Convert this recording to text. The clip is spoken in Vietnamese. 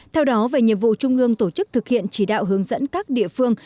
theo đó về nhiệm vụ trung ương tổ chức thực hiện chỉ đạo hướng dẫn các địa phương